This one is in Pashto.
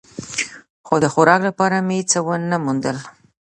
خو د خوراک لپاره مې څه و نه موندل.